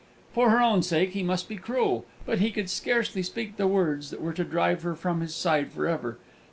For her own sake he must be cruel; but he could scarcely speak the words that were to drive her from his side for ever.